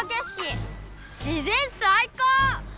自然最高！